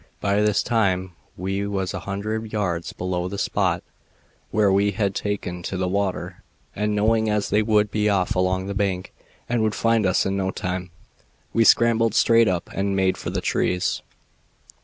By this time we was a hundred yards below the spot where we had taken to the water, and knowing as they would be off along the bank and would find us in no time, we scrambled straight up and made for the trees.